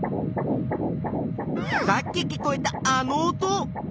さっき聞こえたあの音。